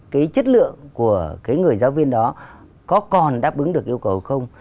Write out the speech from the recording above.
cái chất lượng của cái người giáo viên đó có còn đáp ứng được yêu cầu không